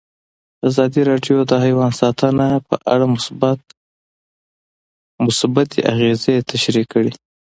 ازادي راډیو د حیوان ساتنه په اړه مثبت اغېزې تشریح کړي.